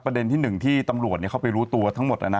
ประเด็นที่หนึ่งที่ตำรวจเข้าไปรู้ตัวทั้งหมดนะ